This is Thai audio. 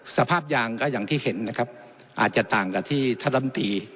สภาพยางก็อย่างที่เห็นนะครับอาจจะต่างกับที่ท่านลำตี